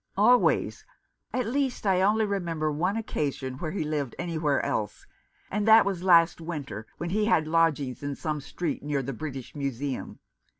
" Always — at least, I only remember one occasion when he lived anywhere else, and that was last winter, when he had lodgings in some street near the British Museum.